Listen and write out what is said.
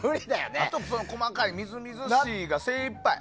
あとは細かいみずみずしいが精いっぱい。